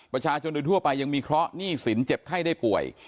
ประชาชนโดยทั่วไปยังมีเคราะหนี้สินเจ็บไข้ได้ป่วย